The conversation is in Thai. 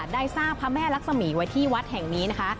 ได้สร้างพระแม่รักษมีไว้ที่วัดแห่งนี้นะคะ